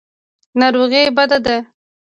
ناروغي بده ده.